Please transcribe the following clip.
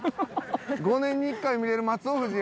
５年に１回見れる松尾富士や。